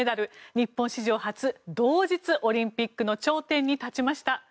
日本史上初同日、オリンピックの頂点に立ちました。